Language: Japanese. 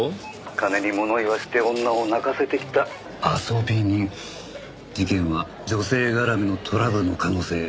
「金に物を言わせて女を泣かせてきた遊び人」事件は女性絡みのトラブルの可能性大ですね。